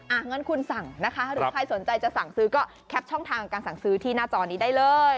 งั้นคุณสั่งนะคะหรือใครสนใจจะสั่งซื้อก็แคปช่องทางการสั่งซื้อที่หน้าจอนี้ได้เลย